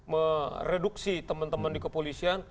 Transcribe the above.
mereduksi teman teman di kepolisian